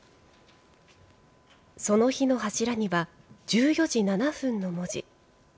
その日の柱には、１４時７分の文字。